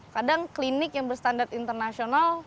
kadang klinik yang berstandar internasional